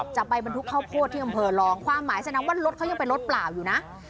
จะไปบรรทุกข้าวโพดที่อำเภอรองความหมายแสดงว่ารถเขายังเป็นรถเปล่าอยู่นะ